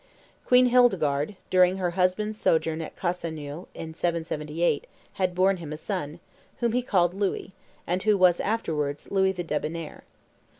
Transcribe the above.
Queen Hildegarde, during her husband's sojourn at Casseneuil, in 778, had borne him a son, whom he called Louis, and who was, afterwards, Louis the Debonnair.